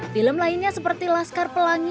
film lainnya seperti laskar pelangi